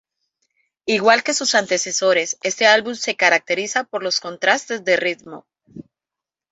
Igual que sus antecesores, este álbum se caracteriza por los contrastes de ritmo.